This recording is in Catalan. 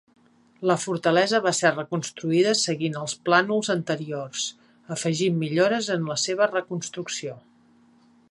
La fortalesa va ser reconstruïda seguint els plànols anteriors, afegint millores en la seva reconstrucció.